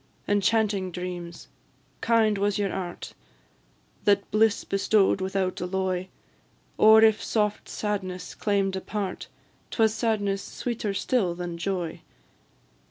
Enchanting dreams! kind was your art That bliss bestow'd without alloy; Or if soft sadness claim'd a part, 'Twas sadness sweeter still than joy.